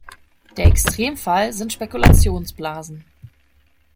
Der Extremfall sind Spekulationsblasen.